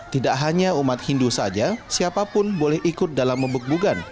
tidak hanya umat hindu saja siapapun boleh ikut dalam membuk bugan